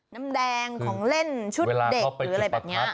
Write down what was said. น้ำแดงของเล่นชุดเด็กเวลาเขาไปจุดประทัด